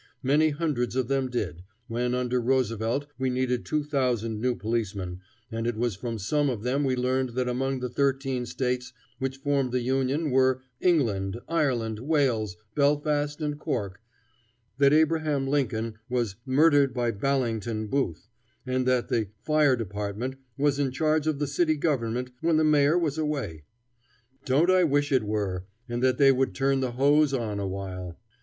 Many hundreds of them did, when under Roosevelt we needed two thousand new policemen, and it was from some of them we learned that among the thirteen States which formed the Union were "England, Ireland, Wales, Belfast, and Cork"; that Abraham Lincoln was "murdered by Ballington Booth," and that the Fire Department was in charge of the city government when the Mayor was away. Don't I wish it were, and that they would turn the hose on a while!